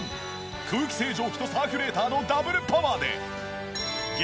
空気清浄機とサーキュレーターのダブルパワーで。